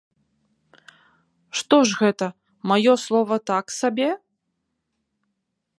Што ж гэта, маё слова так сабе?